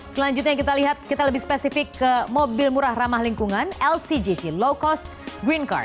selanjutnya kita lihat kita lebih spesifik ke mobil murah ramah lingkungan lcgc low cost green car